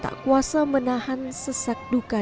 tak kuasa menahan sesak duka